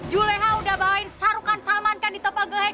juleha udah bawain sarukan salmankan di topal gehe